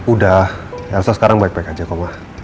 udah elsa sekarang baik baik aja kok ma